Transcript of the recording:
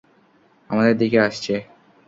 আমাদের দিকে আসছে।